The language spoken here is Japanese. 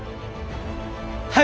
はい！